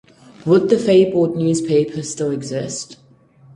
Would the fabled newspaper still exist?